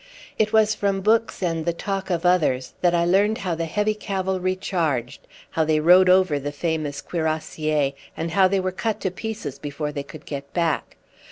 It was from books and the talk of others that I learned how the heavy cavalry charged, how they rode over the famous cuirassiers, and how they were cut to pieces before they could get back.